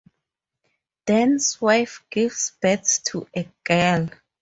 Dan's wife gives birth to a girl.